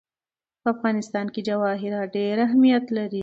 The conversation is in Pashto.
په افغانستان کې جواهرات ډېر اهمیت لري.